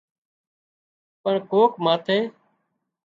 پڻ ڪوڪ ماٿي